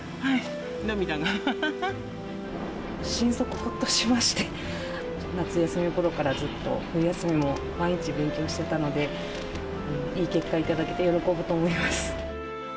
心底ほっとしまして、夏休みころからずっと、冬休みも毎日勉強してたので、いい結果頂けて喜ぶと思います。